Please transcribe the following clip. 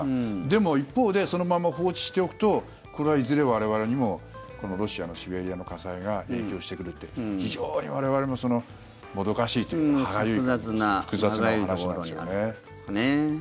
でも、一方でそのまま放置しておくとこれは、いずれ我々にもこのロシアのシベリアの火災が影響してくるっていう非常に我々ももどかしいというか歯がゆい複雑な話なんですよね。